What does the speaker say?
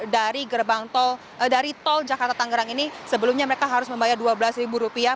dari gerbang tol dari tol jakarta tangerang ini sebelumnya mereka harus membayar dua belas rupiah